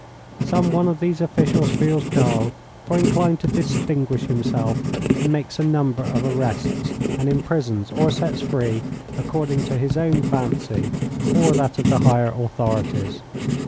Some one of these officials feels dull, or inclined to distinguish himself, and makes a number of arrests, and imprisons or sets free, according to his own fancy or that of the higher authorities.